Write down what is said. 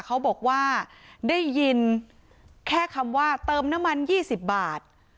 เขาบอกว่าได้ยินแค่คำว่าเติมน้ำมัน๒๐บาท